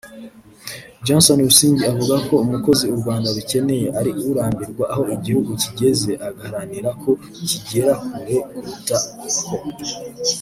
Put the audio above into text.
Johnston Busingye avuga ko umukozi u Rwanda rukeneye ari urambirwa aho igihugu kigeze agaharanira ko kigera kure kurutaho